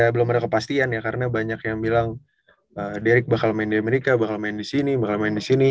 belum ada kepastian ya karena banyak yang bilang derick bakal main di amerika bakal main disini bakal main disini